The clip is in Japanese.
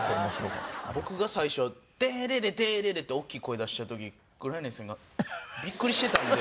僕が最初「テーレレテーレレ」って大きい声出した時黒柳さんがビックリしてたんで。